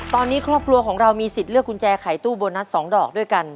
ตอนนี้ครอบครัวของเรามีสิทธิ์เลือกกุญแจขายตู้โบนัส๒ดอกด้วยกัน